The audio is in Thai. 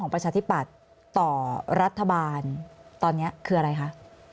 ประชาธิปัตย์ต่อรัฐบาลตอนนี้คืออะไรคะ